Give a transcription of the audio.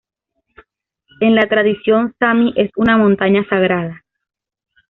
En la tradición sami es una montaña sagrada.